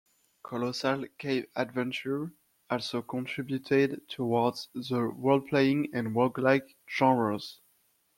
"Colossal Cave Adventure" also contributed towards the role playing and roguelike genres.